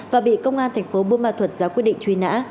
và bị công an tp buôn ma thuật ra quyết định truy nã